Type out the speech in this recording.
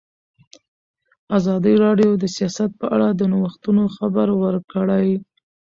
ازادي راډیو د سیاست په اړه د نوښتونو خبر ورکړی.